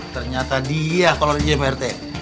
ternyata dia kolor ijo nih pak rt